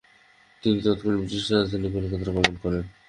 তিনি তৎকালীন ব্রিটিশের রাজধানী কলকাতায় গমন করেন।